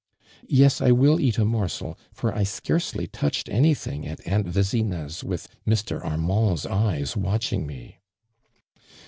" Yes, I will eat a morsel, for I scarcely touched anything at Aunt Vezina's with Mr. Armand' s eyes watching me."